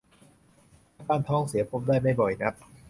อาการท้องเสียพบได้ไม่บ่อยนัก